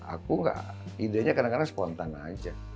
aku nggak idenya kadang kadang spontan aja